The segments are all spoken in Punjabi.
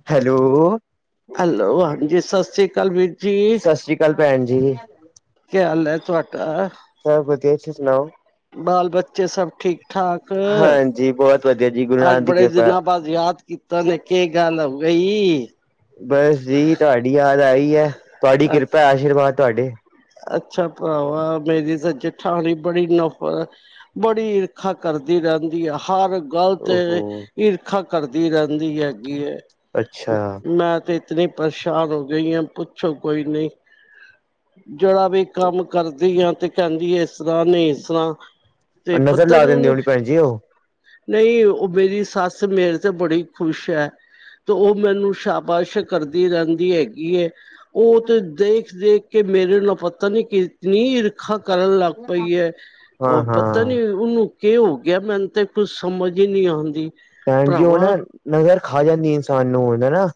ਹ ਹੈਲੋ ਹੈਲੋ ਹਾਂਜੀ ਸਤਿ ਸ਼੍ਰੀ ਅਕਾਲ ਵੀ ਸਤਿ ਸ੍ਰੀ ਅਕਾਲ ਭੈਣ ਜੀ ਕੀ ਹਾਲ ਐ ਤੁਹਾਡਾ? ਬਸ ਵਧੀਆ ਤੁਸੀਂ ਸੁਣਾਓ ਬਾਲ ਬੱਚੇ ਸਬ ਠੀਕ ਠਾਕ। ਹਾਂਜੀ, ਬਹੁਤ ਵਧੀਆ ਜੀ ਗੁਰੂ ਅੱਜ ਨਾਨਕ ਦੀ ਬੜੇ ਕਿਰਪਾ। ਦਿਨਾਂ ਬਾਅਦ ਯਾਦ ਕੀਤਾ ਨ ਕਿ ਗੱਲ ਗਈ। ਬਸ ਜੀ ਤੁਹਾਡੀ ਯਾਦ ਆਈ ਹੈ, ਤੁਹਾਡੀ ਅ ਕਿਰਪਾ ਆਸ਼ੀਰਵਾਦ ਤੁਹਾਡੇ। ਅੱਛਾ ਭਰਾਵਾ ਮੇਰੀ ਤਾਂ ਜਠਾਣੀ ਬੜੀ ਨਫ਼ਰ ਬੜੀ ਈਰਖਾ ਕਰਦੀ ਰਹਿੰਦੀ ਹੈ ਹਰ। ਗਲ ਤੇ ਓਹੋ, ਈਰਖਾ ਕਰਦੀ ਰਹਿੰਦੀ ਹੈਗੀ ਹੈ, ਅੱਛਾ ਮੈਂ ਤੇ ਇਤਨੀ ਪਰੇਸ਼ਾਨ ਹੋ ਗਈ ਹੈ, ਪੁੱਛੋ ਕੋਈ ਨਹੀਂ। ਜਿਹੜਾ ਵੀ ਕੰਮ ਕਰਦੀ ਆ, ਤੇ ਕਹਿੰਦੀ ਇਸ ਤਰ੍ਹਾਂ ਨਹੀਂ ਇਸ ਤਰ੍ਹਾਂ ਤੇ ਨਜ਼ਰ ਪਤਾ ਨ ਲਾ ਦਿੰਦੇ ਨੂੰ ਹੋਣੀ ਭੈਣ ਜੀ ਉਹ ਨਹੀਂ ਉਹ ਮੇਰੀ ਸੱਸ ਮੇਰੇ ਤੇ ਬੜੀ ਖ਼ੁਸ਼ ਹੈ। ਤੇ ਉਹ ਮੈਨੂੰ ਸ਼ਾਬਾਸ਼ ਕਰਦੀ ਰਹਿੰਦੀ ਹੈਗੀ ਹੈ। ਉਹ ਤੇ ਦੇਖ ਦੇਖ ਕਿ ਮੇਰੇ ਨ ਪੱਤਾ ਨੀ ਇਨੀ ਇਰਖਾ ਕਰਨ ਲੱਗ ਪਈ ਹੈ, ਪਤਾ ਹਾਂ-ਹਾਂ। ਨੀ ਉਹਨੂੰ ਕੀ ਹੋ ਗਿਆ ਮੈਨੂੰ ਤੇ ਕੁਝ ਸਮਝ ਹੀ ਨਹੀਂ ਆਉਂਦੀ। ਭੈਣ ਜੀ ਉਹ ਨਾ ਨਜ਼ਰ ਖਾ ਜਾਂਦੀ ਇਨਸਾਨ ਨੂੰ ਹੈਨਾ।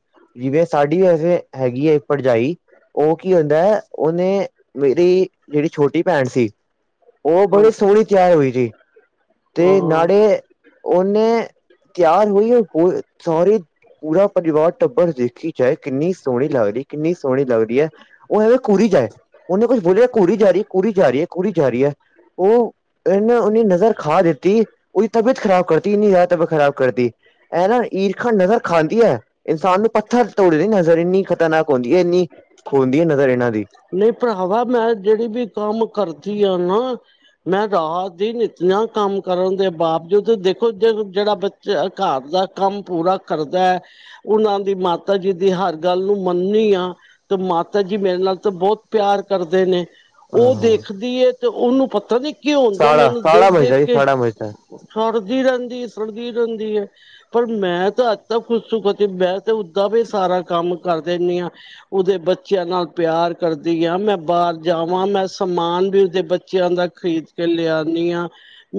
ਜਿਵੇ ਸਾਡੀ ਵੈਸੇ ਹੈਗੀ ਹੈ ਭਰਜਾਈ। ਉਹ ਕੀ ਹੁੰਦਾ ਹੈ, ਉਹਨੇ ਮੇਰੀ ਜਿਹੜੀ ਛੋਟੀ ਭੈਣ ਸੀ। ਉਹ ਹਾਂ ਬੜੀ ਸੋਹਣੀ ਤਿਆਰ ਹੋ ਸੀ, ਤੇ ਹਾਂ ਨਾੜੇ ਉਹਨੇ। ਤਿਆਰ ਹੋਈ ਸੋਰੀ ਪੂਰਾ ਪਰਿਵਾਰ ਟੱਬਰ ਦੇਖੀ ਜਾਏ, ਕਿੰਨੀ ਸੋਹਣੀ ਲੱਗਦੀ, ਕਿੰਨੀ ਸੋਹਣੀ ਲੱਗਦੀ ਹੈ। ਉਹ ਹੈ ਘੂਰੀ ਜਾਏ, ਉਹਨੇ ਕੁਛ ਬੋਲਿਆ ਘੂਰੀ ਜਾ ਰਹੀ ਹੈ, ਘੂਰੀ ਜਾ ਰਹੀ ਹੈ ਘੂਰੀ ਜਾ ਰਹੀ ਹੈ। ਉਹ ਉਹਨੀ ਨਜ਼ਰ ਖਾ ਦੇਤੀ ਉਹਦੀ ਤਬੀਅਤ ਖਰਾਬ ਕਰਤੀ ਇੰਨੀ ਜ਼ਿਆਦਾ ਤਬੀਅਤ ਖਰਾਬ। ਕਰਦੀ ਇਹ ਨਾ ਈਰਖਾ ਨਜ਼ਰ ਖਾਂਦੀ ਹੈ। ਇਨਸਾਨ ਨੂੰ ਪੱਥਰ ਤੋੜ ਦੇ ਨਜ਼ਰ ਇੰਨੀ ਖ਼ਤਰਨਾਕ ਹੁੰਦੀ ਹੈ। ਇੰਨੀ ਖੁੰਦੀ ਹੈ ਨਜ਼ਰ ਇਹਨਾਂ ਦੀ ਨਹੀਂ ਭਰਾਵਾ ਮੈਂ ਜਿਹੜੀ ਵੀ ਕੰਮ ਕਰਦੀ ਆ ਨਾ। ਮੈਂ ਰਾਹਤ ਦੀ ਨੀਤੀਆਂ ਕੰਮ ਕਰਨ ਦੇ ਬਾਵਜੂਦ ਦੇਖੋ ਜਿਹੜਾ ਘਰ ਦਾ ਕੰਮ ਪੂਰਾ ਕਰਦਾ। ਉਹਨਾਂ ਦੀ ਮਾਤਾ ਜੀ ਦੀ ਹਰ ਗੱਲ ਨੂੰ ਮੰਨਣੀ ਆ ਤੇ ਮਾਤਾ ਜੀ ਮੇਰੇ ਨਾਲ ਬਹੁਤ ਪਿਆਰ ਕਰਦੇ ਨੇ ਹਾਂ ਉਹ ਹਾਂ ਦੇਖਦੀ ਹੈ। ਤੇ ਉਹਨੂੰ ਪਤਾ ਨੀ ਕੀ ਹੁੰਦਾ ਸਾੜਾ ਮੈਨੂੰ ਸਾੜਾ ਦੇਖ, ਦੇਖ ਮੱਝਦਾ ਜੀ ਕੇ ਸਾੜਾ ਮੱਝਦਾ ਸੜਦੀ ਰਹਿੰਦੀ ਹੈ, ਸੜਦੀ ਰਹਿੰਦੀ ਏ। ਪਰ ਮੈਂ ਤਾਂ ਅੱਜ ਤੱਕ ਕੁਛ ਕਦੀ ਮੈਂ ਤੇ ਓਦਾਂ ਵੀ ਸਾਰਾ ਕੰਮ ਕਰ ਦਿੰਦੀ ਹਾਂ। ਉਹਦੇ ਬੱਚਿਆਂ ਨਾਲ ਪਿਆਰ ਕਰਦੀ ਆ ਮੈਂ ਬਾਹਰ ਜਾਵਾਂ ਮੈਂ ਸਮਾਨ ਵੀ ਉਹਦੇ ਬੱਚਿਆਂ ਦਾ ਖਰੀਦ ਕੇ ਲਿਆਉਦੀ ਹਾਂ।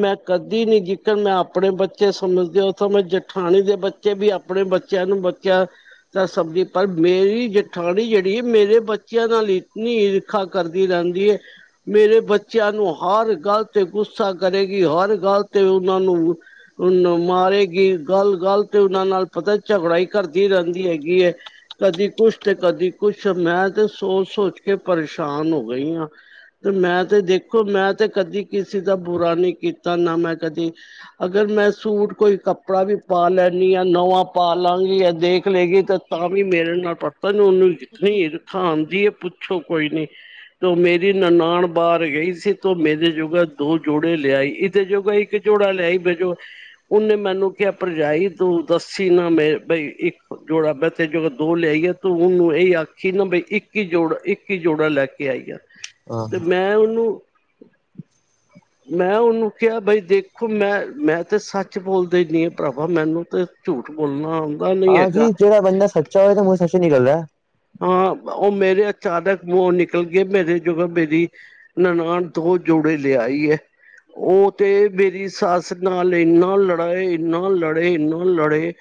ਮੈਂ ਕਦੀ ਨੀ ਜਿਦਾ ਮੈਂ ਆਪਣੇ ਬੱਚੇ ਸਮਝਦੇ ਉਥੋ ਮੈਂ ਜਠਾਣੀ ਦੇ ਬ ਵੀ ਆਪਣੇ ਬੱਚਿਆਂ ਨੂੰ ਬੱਚਿਆਂ ਤਾਂ ਸਦੀ ਪਰ ਮੇਰੀ ਜਠਾਣੀ ਜਿਹੜੀ ਹੈ ਮੇਰੇ ਬੱਚਿਆਂ ਨਾਲ ਇਤਨੀ ਇਰਖਾ ਕਰਦੀ ਰਹਿੰਦੀ ਏ ਮੇਰੇ ਬੱਚਿਆਂ ਨੂੰ ਹਰ ਗੱਲ ਤੇ ਗੁੱਸਾ ਕਰੇਗੀ। ਹਰ ਗੱਲ ਤੇ ਉਹਨਾਂ ਨੂੰ ਉਹਨੂੰ ਨੂੰ ਮਾਰੇਗੀ ਗੱਲ, ਗੱਲ ਤੇ ਉਹਨਾਂ ਨਾਲ ਪਤਾ ਝਗੜਾ ਕਰਦੀ ਰਹਿੰਦੀ ਹੈਗੀ ਏ ਕਦੀ ਕੁਛ ਤੇ ਕਦੀ ਕੁਛ ਮੈਂ ਤੇ ਸੋਚ-ਸੋਚ ਕੇ ਪਰੇਸ਼ਾਨ ਹੋ ਗਈ ਆਂ। ਤੇ ਮੈਂ ਤੇ ਦੇਖੋ ਮੈਂ ਤੇ ਕਦੀ ਕਿਸੇ ਦਾ ਬੁਰਾ ਨਈ ਕੀਤਾ ਨਾ ਮੈਂ ਕਦੀ ਅਗਰ ਮੈਂ ਸੂਟ ਕੋਈ ਕੱਪੜਾ ਵੀ ਪਾ ਲੈਂਨੀ ਆਂ ਨਵਾਂ ਪਾ ਲਾਂਗੀ ਏਹ ਦੇਖ ਲਏਗੀ ਤਾਂ ਤਾਂ ਵੀ ਮੇਰੇ ਨਾਲ ਪਤਾ ਨੂੰ ਓਨੂੰ ਇਤਨੀ ਈਰਖਾ ਆਂਦੀ ਏ ਪੁੱਛੋ ਕੋਈ ਨੀ ਤੋ ਮੇਰੀ ਨਨਾਨ ਬਾਹਰ ਗਈ ਸੀ ਤੋ ਮੇਰੇ ਜੋਗਾ ਦੋ ਜੋੜੇ ਲਿਆਈ ਇਦੇ ਜੋਗਾ ਇੱਕ ਜੋੜਾ ਲਿਆਈ ਵਜੋੋ ਓਨੇ ਮੈਨੂੰ ਕਿਆ ਭਰਜਾਈ ਤੂੰ ਦੱਸੀ ਨਾ ਮੈਂ ਬਈ ਇੱਕ ਜੋੜਾ ਮੈਂ ਤੇ ਜੋੜਾ ਦੋ ਲਿਆਈ ਆ। ਤੂੰ ਓਨੂੰ ਇਹੀ ਆਖੀ ਨਾ ਬਈ ਇੱਕੀ ਜੋੜਾ ਇੱਕੀ ਜੋੜਾ ਲੈ ਕੇ ਆਈ ਆ, ਹਾਂ ਤੇ ਮੈਂ ਓਨੂੰ ਹਾਂ [unintelligible] ਮੈਂ ਓਨੂੰ ਕਿਆ ਬਈ ਦੇਖੋ ਮੈਂ-ਮੈਂ ਤੇ ਸੱਚ ਬੋਲ ਦੇਨੀ ਆ ਭਰਾਵਾ ਮੈਨੂੰ ਤੇ ਝੂਠ ਬੋਲਨਾ ਔਂ ਹਾਂਜੀ ਜੇੜਾ ਬੰਦਾ ਸੱਚਾ ਹੋਵੇ ਤੇ ਮੂੰ ਚੋਂ ਸੱਚ ਈ ਨਿਕਲਦਾ। ਹਾਂ ਓ ਮੇਰੇ ਅਚਾਨਕ ਮੂੰਹੋਂ ਨਿਕਲ ਗਏ ਮੇਰੇ ਜੋ ਮੇਰੀ ਨਨਾਣ ਦੋ ਜੋੜੇ ਲਿਆਈ ਐ। ਓ ਤੇ ਮੇਰੀ ਸੱਸ ਨਾਲ ਏਨਾ ਲੜੇ-ਏਨਾ ਲੜੇ-ਏਨਾ ਲੜੇ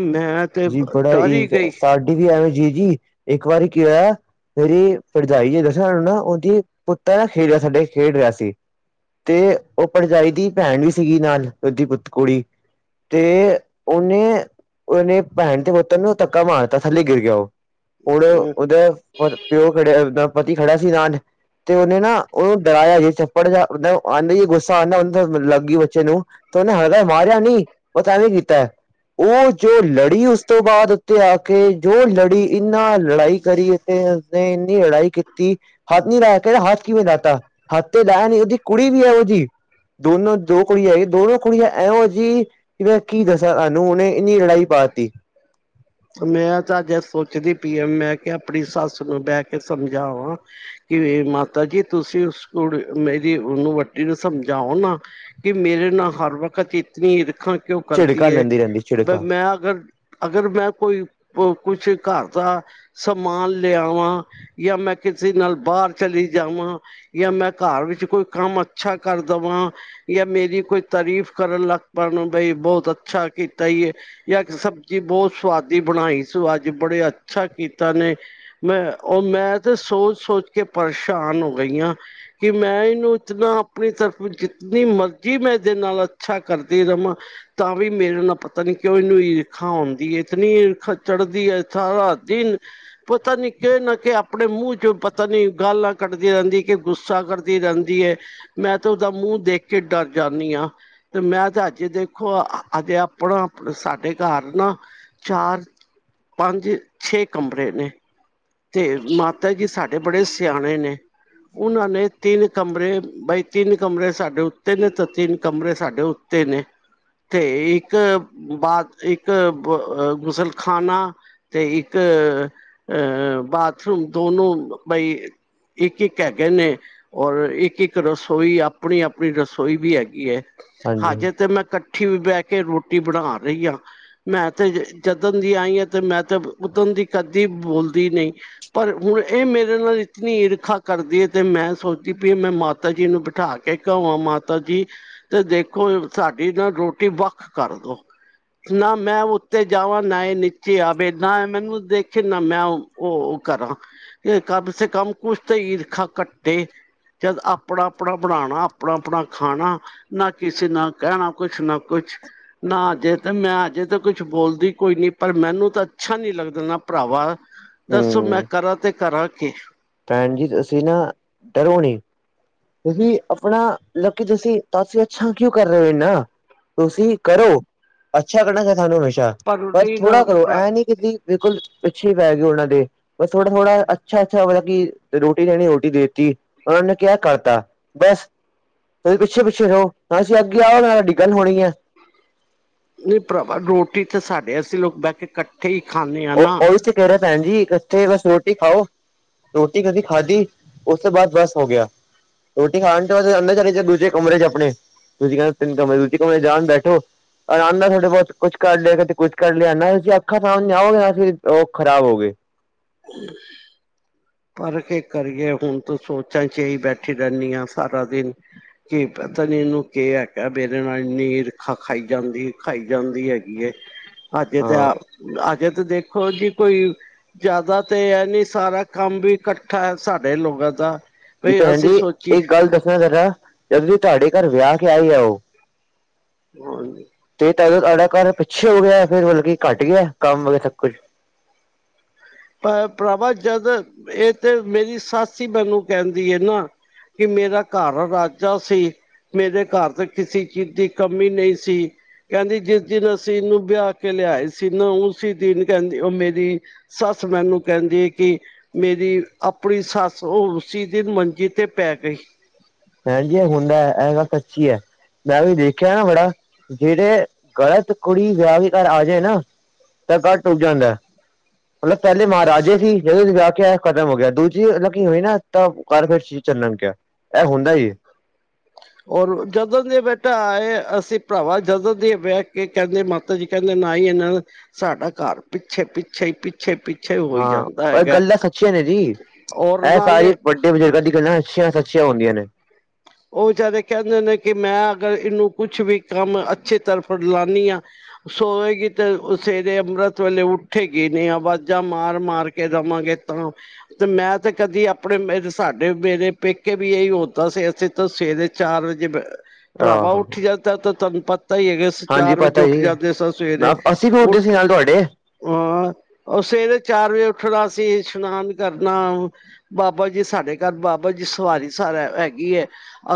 ਮੈਂ ਤੇ ਜੀ ਬੜਾ ਡਰ ਹੀ ਈ ਗਈ ਸਾਡੀ ਵੀ ਐਵੇਂ ਜੀ-ਜੀ ਇੱਕ ਵਾਰੀ ਕੀ ਹੋਏਆ ਮੇਰੀ ਭਰਜਾਈ ਨੇ ਦੱਸੇਆ ਨਾ ਓਨੂੰ ਓਦੀ ਪੁੱਤ ਨਾ [unintelligible] ਖੇਡਿਆ ਸਾਡੇ ਖੇਡ ਰਿਆ ਸੀ। ਤੇ ਓ ਭਰਜਾਈ ਦੀ ਭੈਨ ਵੀ ਸੀਗੀ ਨਾਲ ਓਦੀ ਪੁੱਤ ਕੁੜੀ ਤੇ ਓਨੇ-ਓਨੇ ਭੈਣ ਦੇ ਪੁੱਤ ਨੂੰ ਧੱਕਾ ਮਾਰਤਾ ਥੱਲੇ ਗਿਰ ਗਿਆ ਓ। ਹੁਣ ਓਦਾ ਪਿਓ ਖੜਿਆ ਪਤੀ ਖੜਾ ਸੀ ਨਾਲ ਤੇ ਓਨੇ ਨਾ ਓਨੂੰ ਡਰਾਇਆ ਜੇ ਚੱਪੜ ਜਾ ਮਤਲਬ ਆਂਟੀ ਗੁੱਸਾ ਆਂਦਾ ਹੁੰਦਾ ਓ ਲੱਗਈ ਬੱਚੇ ਨੂੰ ਤੇ ਓਨੇ ਹਲੇ ਮਾਰਿਆ ਨੀ ਬਸ ਐਵੇਂ ਕੀਤਾ ਤੇ ਓ ਜੋ ਲੜ ਲੜੀ ਉਸ ਤੋਂ ਬਾਅਦ ਓਥੇ ਆ ਕੇ ਜੋ ਲੜੀ ਇੰਨਾ ਲੜਾਈ ਕਰੀ ਇਥੇ ਨੇ ਇੰਨੀ ਲੜਾਈ ਕੀਤੀ ਹੱਥ ਨੀ ਲਾਇਆ ਕੈਂਦਾ ਹੱਥ ਕਿਵੇਂ ਲਾਤਾ ਹੱਥ ਤੇ ਲਾਏਆ ਨੀ ਓਦੀ ਕੁੜੀ ਵੀ ਓਹੋ ਜਹੀ ਦੋਨੋ ਦੋ ਕੁੜੀ ਆਈ ਦੋਨੋ ਕੁੜੀਆਂ ਐਹੋ ਜੀ ਕੀ ਮੈਂ ਕੀ ਦੱਸਾਂ ਤਾਨੂੰ ਓਨੇ ਇੰਨੀ ਲੜਾਈ ਪਾਤੀ। ਮੈਂ ਤਾਂ ਅਜੇ ਸੋਚਦੀ ਪੀਆਂ ਮੈਂ ਕਿਆ ਆਪਣੀ ਸੱਸ ਨੂੰ ਬਹਿ ਕੇ ਸਮਝਾਵਾਂ ਕਿ ਮਾਤਾ ਜੀ ਤੁਸੀਂ ਉਸ ਕੋਲ ਮੇਰੀ ਓਨੂੰ ਵੱਡੀ ਨੂੰ ਸਮਝਾਓ ਨਾ। ਕਿ ਮੇਰੇ ਨਾਲ ਹਰ ਵਕਤ ਇਤਨੀ ਈਰਖਾ ਕਿਓਂ ਕਰਦੀ ਝਿੜਕਾ ਏ, ਲੈਂਦੀ ਰਹਿੰਦੀ ਝਿੜਕਾ ਮੈਂ ਅਗਰ-ਅਗਰ ਮੈਂ ਕੋਈ ਕੁਛ ਘਰ ਦਾ ਸਮਾਨ ਲਿਆਵਾਂ ਜਾਂ ਮੈਂ ਕਿਸੇ ਨਾਲ ਬਾਰ ਚਲੀ ਜਾਵਾਂ ਜਾਂ ਮੈਂ ਘਰ ਵਿੱਚ ਕੋਈ ਕੰਮ ਅੱਛਾ ਕਰ ਦਵਾਂ ਜਾਂ ਮੇਰੀ ਕੋਈ ਤਾਰੀਫ਼ ਕਰਨ ਲੱਗ ਪੈਨ ਬਈ ਬੋਤ ਅੱਛਾ ਕੀਤਾ ਈ ਏ। ਜਾ ਅੱਜ ਸਬਜ਼ੀ ਬਹੁ ਸਵਾਦੀ ਬਣਾਈ ਸੋ ਅੱਜ ਬੜਾ ਅੱਛਾ ਕੀਤਾ ਓਨੇ ਮੈਂ ਓ ਮੈਂ ਤੇ ਸੋਚ-ਸੋਚ ਕੇ ਪਰੇਸ਼ਾਨ ਹੋ ਗਈ ਆਂ। ਕਿ ਮੈਂ ਏਨੂੰ ਇਤਨਾ ਆਪਣੀ ਤਰਫ਼ ਜਿਤਨੀ ਮਰਜ਼ੀ ਮੈਂ ਏਦੇ ਨਾਲ ਅੱਛਾ ਕਰਦੀ ਰਵਾਂ ਤਾਂ ਵੀ ਮੇਰੇ ਨਾਲ ਪਤਾ ਨੀ ਕਿਓਂ ਏਨੂੰ ਮੇਰੇ ਈਰਖਾ ਔਂਦੀ ਏ। ਇਤਨੀ ਈਰਖਾ ਚੜਦੀ ਐ ਸਾਰਾ ਦਿਨ ਪਤਾ ਨੀ ਕਿ ਨਾ ਕਿ ਆਪਣੇ ਮੂੰਹ ਚੋ ਪਤਾ ਨੀ ਗਾਲਾਂ ਕੱਢਦੀ ਰੈਂਦੀ ਕਿ ਗੁੱਸਾ ਕਰਦੀ ਰੈਂਦੀ ਏ, ਮੈਂ ਤੇ ਓਦਾ ਮੂੰਹ ਦੇਖ ਕੇ ਡਰ ਜਾਂਨੀ ਆਂ। ਤੇ ਮੈਂ ਤੇ ਅੱਜੇ ਦੇਖੋ ਅਜੇ ਆਪਣਾ ਸਾਡੇ ਘਰ ਨਾ ਚਾਰ, ਪੰਜ, ਛੇ ਕਮਰੇ ਨੇ। ਤੇ ਮਾਤਾ ਜੀ ਸਾਡੇ ਬੜੇ ਸਿਆਣੇ ਨੇ ਉਹਨਾਂ ਨੇ ਤਿੰਨ ਕਮਰੇ ਬਾਈ ਤਿੰਨ ਕਮਰੇ ਸਾਡੇ ਉੱਤੇ ਨੇ ਤੇ ਤਿੰਨ ਕਮਰੇ ਸਾਡੇ ਉੱਤੇ ਨੇ। ਤੇ ਇੱਕ ਬਾਦ ਇ ਕ ਗੁਸਲਖਾਨਾ ਤੇ ਇੱਕ ਅ ਬਾਥਰੂਮ ਦੋਨੋ ਬਈ ਇੱਕ-ਇੱਕ ਹੈਗੇ ਨੇ। ਔਰ ਇੱਕ-ਇੱਕ ਰਸੋਈ ਆਪਣੀ-ਆਪਣੀ ਰਸੋਈ ਵੀ ਹੈਗੀ ਹੈ ਹਾਂਜੀ ਹਜੇ ਤੇ ਮੈਂ ਕ ਠੀ ਵੀ ਬਹਿ ਕੇ ਰੋਟੀ ਬਣਾ ਰਹੀ ਆ। ਮੈਂ ਤੇ ਜਦਣ ਦੀ ਆਈ ਹਾਂ ਤੇ ਮੈਂ ਤੇ ਉੱਦਣ ਦੀ ਕਦੀ ਬੋਲਦੀ ਨਈ। ਪਰ ਹੁਣ ਇਹ ਮੇਰੇ ਨਾਲ ਇਤਨੀ ਈਰਖਾ ਕਰਦੀ ਹੈ ਤੇ ਮੈਂ ਸੋਚਦੀ ਪੀ ਆ ਮੈਂ ਮਾਤਾ ਜੀ ਨੂੰ ਬਿਠਾ ਕੇ ਕੇ ਕਵਾਂ ਮਾਤਾ ਜੀ ਤੇ ਦੇਖੋ ਸਾਡੀ ਨਾ ਰੋਟੀ ਵੱਖ ਕਰਦੋ। ਨਾ ਮੈਂ ਉੱਤੇ ਜਾਵਾਂ ਨਾ ਇਹ ਨੀਚੇ ਆਵੇ ਨਾ ਮੈਨੂੰ ਦੇਖੇ ਨਾ ਮੈਂ ਓ ਕਰਾਂ ਤੇ ਕਮ ਸੇ ਕਮ ਕੁਛ ਤਾਂ ਈਰਖਾ ਕੱਟੇ। ਜਦ ਆਪਣਾ-ਆਪਣਾ ਬਣਾਣਾ ਆਪਣਾ-ਆਪਣਾ ਖਾਣਾ। ਨਾ ਕਿਸੇ ਨਾ ਕਹਿਣਾ ਕੁਛ ਨਾ ਕੁਛ। ਨਾ ਅਜੇ ਤੇ ਮੈਂ ਅਜੇ ਤਾਂ ਕੁਛ ਬੋਲਦੀ ਕੋਈ ਨੀ ਪਰ ਮੈਨੂੰ ਤਾਂ ਅੱਛਾ ਨੀ ਲੱਗਦਾ ਨਾ ਭਰਾਵਾ। ਦੱਸੋ ਮੈਂ ਹਮ ਕਰਾ ਤੇ ਕਰਾ ਕੀ। ਭੈਣ ਜੀ ਤੁਸੀਂ ਨਾ ਡਰੋ ਨੀ। ਤੁਸੀਂ ਆਪਣਾ ਲ ਜਸੀ ਤਾਂਸੀ ਅੱਛਾ ਕਿਉਂ ਕਰ ਰਹੇ ਹੋ ਇਨ੍ਹਾਂ। ਤੁਸੀਂ ਕਰੋ ਅੱਛਾ ਕਰਨਾ [unintelligible] ਤੁਹਾਨੂੰ ਹਮੇਸ਼ਾ ਪਰ ਨਹੀਂ ਨਾ ਥੋੜਾ ਕਰੋ ਭਰਾ, ਇਹ ਨੀ ਕਿ ਬੀ ਬਿਲਕੁਲ ਪਿੱਛੇ ਹੀ ਪੈ ਗਏ ਉਹਨਾਂ ਦੇ ਥੋੜਾ-ਥੋੜਾ ਅੱਛਾ-ਅੱਛਾ ਮਲਬ ਕੀ ਰੋਟੀ ਲਣੀ ਰੋਟੀ ਦੇਤੀ ਉਹਨਾ ਨੇ ਕਿਹਾ ਕਰਤਾ ਬਸ। ਤੁਸੀਂ ਪਿੱਛੇ-ਪਿੱਛੇ ਰਹੋ ਨਾ ਤੁਸੀਂ ਅੱਗੇ ਆਓ ਨਾ, ਨਾ ਹਾਡੀ ਗੱਲ ਹੋਣੀ ਹੈ। ਨਹੀਂ ਭਰਾਵਾ ਰੋਟੀ ਤਾਂ ਸਾਡੇ ਅਸੀਂ ਲੋਕ ਬਹਿ ਕੇ ਕੱਠੇ ਹੀ ਖਾਂਦੇ ਹਾਂ ਉਹ ਨਾ। ਉਹੀ ਤੇ ਕਿਹ ਰਹੀਆਂ ਭੈਣ ਜੀ ਕਿੱਥੇ ਬਸ ਰੋਟੀ ਖਾਓ। ਰੋਟੀ ਕਦੀ ਖਾਧੀ ਉਸ ਤੋਂ ਬਾਦ ਬਸ ਹੋ ਗਿਆ। ਰੋਟੀ ਖਾਣ ਤੋਂ ਬਾਦ ਅੰਦਰ ਚਲੇ ਜਾਓ ਦੂਜੇ ਕਮਰੇ ਚ ਆਪਣੇ। ਤੁਸੀਂ ਕਹਿੰਦੇ ਤਿੰਨ ਕਮਰੇ ਦੂਜੀ ਕਮਰੇ ਜਾਣ ਬੈਠੋ ਆਰਾਮ ਨਾਲ ਥੋੜੇ ਬਹੁ ਕੁਛ ਕਰ ਲਿਆ ਕਦੇ ਕੁੱਝ ਕਰ ਲਿਆ ਨਾ ਤੁਸੀਂ ਅੱਖਾਂ ਸਾ ਜਾਓਗੇ [unintelligible] ਫਿਰ ਉਹ ਖਰਾਬ ਹੋ ਗਈ। [inaudible] ਪਰ ਕੀ ਕਰੀਏ ਹੁਣ ਤੂੰ ਸੋਚਾ ਇਚ ਹੀ ਬੈਠੀ ਰੈਨੀ ਹੈ ਆ ਸਾਰਾ ਦਿਨ। ਕੀ ਪਤਾ ਨੀ ਇਹਨੂੰ ਕਿ ਹੈ ਕਿਆ ਮੇਰੇ ਨਾਲੰ ਇਰਖਾ ਖਾਈ ਜਾਂਦੀ ਖਾਈ ਜਾਂਦੀ ਹੈਗੀ ਹੈ। [inaudible] ਹਜੇ ਤੇ ਹਾਂ ਆ ਅਜੇ ਤੇ ਦੇਖੋ ਜੀ ਕੋਈ ਜਾਦਾ ਤੇ ਇਹ ਨੀ ਸਾਰਾ ਕੰਮ ਵੀ ਕੱਠਾ ਹੈ ਸਾਡੇ ਲੋਗਾ ਦਾ। ਜੀ ਬਈ ਭੈਣ ਅਸੀਂ ਜੀ ਸੋਚੀ ਇੱਕ ਗੱਲ ਦੱਸਣਾ ਜਰਾ ਜਦ ਦੀ ਤੁਹਾਡੇ ਘਰ ਵਿਆਹ ਕੇ ਆਈ ਆ ਉਹ ਹਾਂਜੀ। ਤੇ ਤਦੋਂ ਤੁਹਾਡਾ ਘਰ ਪਿੱਛੇ ਹੋ ਗਿਆ ਫਿਰ ਮਤਲਬ ਕੀ ਘੱਟ ਗਿਆ ਕੰਮ ਵਗ ਸਭ ਕੁਝ। ਪਰ ਭਰਾਵਾ ਜਦ ਇਹ ਤੇ ਮੇਰੀ ਸੱਸ ਹੀ ਮੈਨੂੰ ਕਹਿੰਦੀ ਏ ਨਾ। ਕਿ ਮੇਰਾ ਘਰ ਰਾਜਾ ਸੀ। ਮੇਰੇ ਘਰ ਤੇ ਕਿਸੇ ਚੀਜ਼ ਦੀ ਕਮੀ ਨਹੀ ਸੀ। ਕਹਿੰਦੀ ਜਿਸ ਦਿਨ ਅਸੀ ਇਹਨੂੰ ਵਿਆਹ ਕੇ ਲਿਆਏ ਸੀ ਨਾ ਉਸ ਦਿਨ ਕਹਿੰਦੀ ਉਹ ਮੇਰੀ ਸੱਸ ਮੈਨੂੰ ਕਹਿੰਦੀ ਹੈ ਕਿ ਮੇਰੀ ਆਪਣੀ ਸੱਸ ਉਹ ਉਸੀ ਦਿਨ ਮੰਜੀ ਤੇ ਪੈ ਗਈ। ਹ ਜੀ ਇਹ ਹੁੰਦਾ ਇਹ ਗੱਲ ਤੇ ਅੱਛੀ ਹੈ। ਮੈਂ ਵੀ ਦੇਖਿਆ ਨਾ ਬੜਾ ਜਿਹੜੇ ਗ਼ਲਤ ਕੁੜੀ ਵਿਆਹ ਵੀ ਘਰ ਆ ਜਾਏ ਨਾ। ਤਾਂ ਘਰ ਉਜੜ ਜਾਂਦਾ। ਮਤਲਬ ਪਹਿਲੇ ਮਹਾਰਾਜੇ ਸੀ ਜਦੋਂ ਵਿਆਹ ਕਿਹਾ ਖਤਮ ਹੋ ਗਿਆ ਦੂਜੀ ਮਤਲਬ ਕੀ ਹੋਈ ਨਾ। ਤਾਂ ਘਰ ਫਿਰ ਚ ਚੱਲਣ ਗਿਆ। ਇਹ ਹੁੰਦਾ ਹੀ ਔਰ ਜਦੋਂ ਦੇ ਬੇਟਾ ਆਏ ਅਸੀਂ ਭਰਾਵਾ ਜਦੋਂ ਦੀ ਬਹਿ ਕੇ ਕਹਿੰਦੇ ਮਾ ਤਾਂ ਜੀ ਕਹਿੰਦੇ ਨਾ ਹੀ ਇਹਨਾਂ ਨੇ ਸਾਡਾ ਘਰ ਪਿੱਛੇ ਪਿੱਛੇ ਹੀ ਪਿੱਛੇ ਪਿੱਛੇ, ਪਿੱਛੇ ਹੋਈ ਹਾਂ ਜਾਂਦਾ ਉਹ ਹੈਗਾ ਗੱਲਾਂ ਤਾਂ ਸੱਚੀਆਂ ਨੇ ਜੀ ਔਰ ਇਹ ਸਾਰੀ ਨਾਲੇ ਵੱਡੇ ਬਜ਼ੁਰਗਾਂ ਦੀ ਗੱਲਾਂ ਅੱਛੀਆਂ ਸੱਚੀਆਂ ਹੁੰਦੀਆਂ ਨੇ। ਉਹ ਵਿਚਾਰੇ ਕਹਿੰਦੇ ਨੇ ਕਿ ਮੈਂ ਅਗਰ ਇਹਨੂੰ ਕੁਛ ਵੀ ਕੰਮ ਅੱਛੇ ਤਰਫ ਲਾਉਦੀ ਹਾਂ। ਸੋਏਗੀ ਤੇ ਸਵੇਰੇ ਅੰਮ੍ਰਿਤ ਵੇਲੇ ਉੱਠੇ ਗਏ ਨੇ ਅਵਾਜ਼ਾਂ ਮਾਰ ਮਾਰ ਕੇ। ਕੇ ਦੇਵਾਂਗੇ ਤਾਂ ਤੇ ਮੈਂ ਤੇ ਕਦੀ ਆਪਣੇ ਮੇਰੇ ਸਾਡੇ ਮੇਰੇ ਪੇਕੇ ਵੀ ਇਹੀ ਉਦਾਂ ਸੀ ਅਸੀਂ ਤਾਂ ਸਵੇਰੇ ਚਾਰ ਵਜੇ ਭਰਾਵਾ ਆਹੋ ਉੱਠੀ ਜਾਂਦਾ ਤੇ ਤੁਹਾਨੂੰ ਪਤਾ ਹੀ ਹੈਗਾ। ਹਾਂਜੀ ਚਾਰ ਵਜੇ ਪਤਾ ਉੱਠ ਜੀ ਜਾਂਦੇ ਸਾਂ ਸਵੇਰੇ ਮੈਂ- ਅਸੀਂ ਵੀ ਉੱਡੇ ਸੀ ਉੱਠ ਨਾਲ ਤੁਹਾਡੇ ਹਾਂ ਉਹ ਸਵੇਰੇ ਚਾਰ ਵਜੇ ਉੱਠਣਾ ਸੀ ਇਸ਼ਨਾਨ ਕਰਨਾ। ਬਾਬਾ ਜੀ ਸਾਡੇ ਘਰ ਬਾਬਾ ਜੀ ਸਵਾਰੀ ਸਾਰ ਹੈਗੀ ਏ।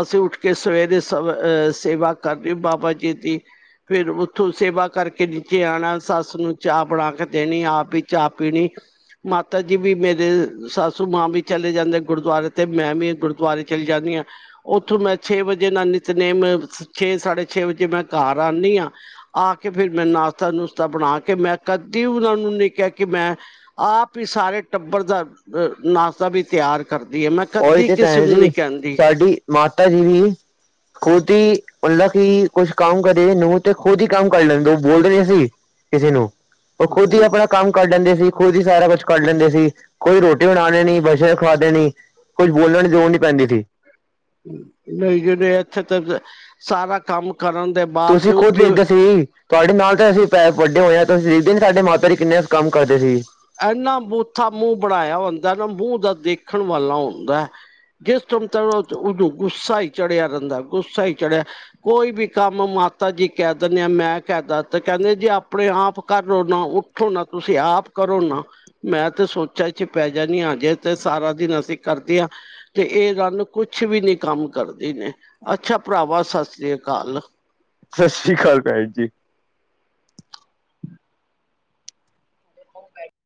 ਅਸੀਂ ਉੱਠ ਕੇ ਸਵੇਰੇ ਸ ਅਹ ਸੇਵਾ ਕਰਨੀ ਬਾਬਾ ਜੀ ਦੀ। ਫਿਰ ਉੱਥੋਂ ਸੇਵਾ ਕਰਕੇ ਨੀਚੇ ਆਉਣਾ ਸੱਸ ਨੂੰ ਚਾਹ ਬਣਾ ਕੇ ਦੇਣੀ ਆਪ ਵੀ ਚਾਹ ਪੀਣੀ। ਮਾਤਾ ਜੀ ਵੀ ਮੇਰੇ ਸਾਸੂ ਮਾਂ ਵੀ ਚਲੇ ਜਾਂਦੇ ਗੁਰਦੁਆਰੇ ਤੇ ਮੈਂ ਵੀ ਗੁਰਦੁਆਰੇ ਚਲੀ ਜਾਂਦੀ ਹਾਂ। ਉੱਥੋਂ ਮੈਂ ਛੇ ਵਜੇ ਨਾਲ ਨਿਤਨੇਮ ਛੇ ਸਾਢੇ ਛੇ ਵਜੇ ਮੈਂ ਘਰ ਆਉਂਦੀ ਹਾਂ। ਆ ਕੇ ਫੇਰ ਮੈਂ ਨਾਸ਼ਤਾ ਨੁਸ਼ਤਾ ਬਣਾ ਕੇ ਮੈਂ ਕਦੀ ਉਹਨਾਂ ਨੂੰ ਨਹੀਂ ਕਿਹਾ ਕਿ ਮੈਂ ਆਪ ਹੀ ਸਾਰੇ ਟੱਬਰ ਦਾ ਨਾਸ਼ਤਾ ਵੀ ਤਿਆਰ ਕਰਦੀ ਹੈ ਮੈਂ ਉਹੀ ਕਦੀ ਤੇ ਕਿਸੇ ਭੈਣ ਨੂੰ ਨੀ ਜੀ ਕਹਿੰਦੀ। ਸਾਡੀ ਮਾਤਾ ਜੀ ਵੀ ਖੁਦ ਹੀ ਮਤਲਬ ਕਿ ਕੁਛ ਕੰਮ ਕਰੇ ਨੂੰਹ ਤੇ ਖੁਦ ਹੀ ਕੰਮ ਕਰ ਲੈਣ ਦਿਓ ਬੋਲਦੇ ਸੀ। ਕਿਸੇ ਨੂੰ ਉਹ ਖੁਦ ਹੀ ਆਪਣਾ ਕੰਮ ਕਰ ਲੈਂਦੇ ਸੀ ਖੁਦ ਹੀ ਸਾਰਾ ਕੁਛ ਕਰ ਲੈਂਦੇ ਸੀ ਕੋਈ ਰੋਟੀ ਬਣਾ ਦੇਣੀ ਬਸ਼ੇ ਖਵਾ ਦੇਣੀ। ਕੁੱਝ ਬੋਲਣ ਦੀ ਲੋੜ ਨਹੀਂ ਪੈਂਦੀ ਸੀ। ਨਹੀਂ ਜਿਹੜੇ ਇੱਥੇ ਤੇ ਸਾਰਾ ਕੰਮ ਕਰਨ ਦੇ ਤੁਸੀਂ ਬਾਵਜੂਦ ਖੁਦ ਵੀ ਇਦਾਂ ਸੀ। ਤੁਹਾਡੇ ਨਾਲ ਤਾਂ ਅਸੀਂ ਪੈਕ ਵੱਡੇ ਹੋਏ ਹਾਂ ਤੁਸੀਂ ਦੇਖਦੇ ਸਾਡੇ ਮਾਤਾ ਜੀ ਕਿੰਨੇ ਕੁ ਕੰਮ ਕਰਦੇ ਸੀ। ਇਨਾ ਬੂਥਾ ਮੂੰਹ ਬਣਾਇਆ ਹੁੰਦਾ ਨਾ ਮੂੰਹ ਦਾ ਦੇਖਣ ਵਾਲਾ ਹੁੰਦਾ। ਜਿਸ ਟਾਈਮ ਤਦ ਗੁੱਸਾ ਹੀ ਚੜਿਆ ਰਹਿੰਦਾ ਗੁੱਸਾ ਹੀ ਚੜਿਆ। ਕੋਈ ਵੀ ਕੰਮ ਮਾਤਾ ਜੀ ਕਹਿ ਦਿੰਦੇ ਆ ਮੈਂ ਕਹਿਦਾ ਤੇ ਕਹਿੰਦੇ ਜੇ ਆਪਣੇ ਆਪ ਕਰ ਲਓ ਨਾ। ਉਥੋਂ ਨਾ ਤੁਸੀਂ ਆਪ। ਕਰੋ ਨਾ ਮੈਂ ਤੇ ਸੋਚਿਆ ਚ ਪੈ ਜਾਨੀ ਆ ਅਜੇ ਤੇ ਸਾਰਾ ਦਿਨ ਅਸੀਂ ਕਰਦੇ ਹਾਂ। ਤੇ ਇਹ ਰਨ ਕੁਛ ਵੀ ਨੀ ਕੰਮ ਕਰਦੀ ਨੇ ਅੱਛਾ ਭਰਾਵਾ ਸਤਿ ਸ੍ਰੀ ਅਕਾਲ। ਸਤਿ ਸ੍ਰੀ ਅਕਾਲ ਭੈਣ ਜੀ। ਉਕੇ